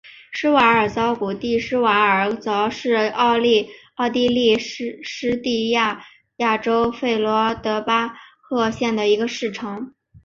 施瓦尔曹谷地施瓦尔曹是奥地利施蒂利亚州费尔德巴赫县的一个市镇。